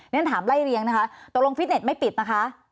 ฉันถามไล่เลี้ยงนะคะตกลงฟิตเน็ตไม่ปิดนะคะ